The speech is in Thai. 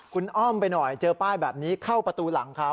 คุณอ้อมไปหน่อยเจอป้ายแบบนี้เข้าประตูหลังเขา